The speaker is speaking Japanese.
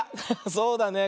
そうだね。